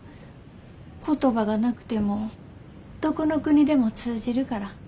言葉がなくてもどこの国でも通じるから。